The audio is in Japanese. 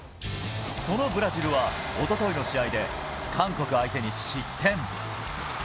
そのブラジルは、おとといの試合で、韓国相手に失点。